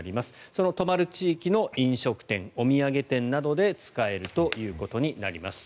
その泊まる地域の飲食店、お土産店などで使えるということになります。